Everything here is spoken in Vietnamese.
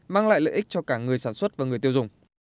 mang lại lợi ích cho cả người sản xuất và người tiêu dùng